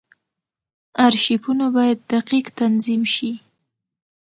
ارشیفونه باید دقیق تنظیم شي.